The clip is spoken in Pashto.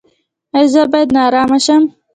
ایا زه باید نارامه شم؟